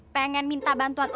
pengen minta bantuan